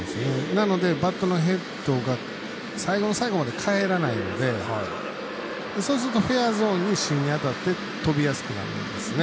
なので、バットのヘッドが最後の最後まで返らないのでそうするとフェアゾーンに芯に当たって飛びやすくなるんですね。